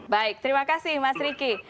baik terima kasih mas riki